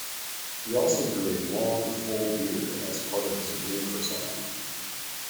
He also grew a long, full beard as part of his ring persona.